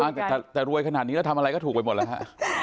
อุ๊ยแต่รวยขนาดนี้ทำอะไรก็ถูกไปหมดแล้ว